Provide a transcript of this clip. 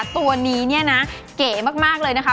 ตัวนี้เนี่ยนะเก๋มากเลยนะคะ